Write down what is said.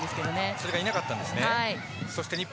それがいなかったんですね。